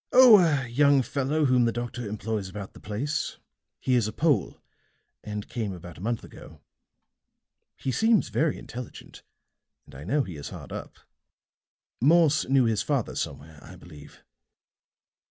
"Oh, a young fellow whom the doctor employs about the place. He is a Pole, and came about a month ago; he seems very intelligent, and I know he is hard up. Morse knew his father somewhere, I believe."